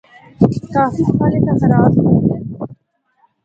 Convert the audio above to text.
کافی پھل اِتھا خراب بھی ہوندے ہن۔